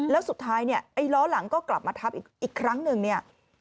แล้วสุดท้ายเนี่ยไอ้ล้อหลังก็กลับมาทับอีกครั้งหนึ่งเนี่ย